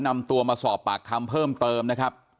นำตัวมาสอบปากคำเพิ่มเติมนะครับ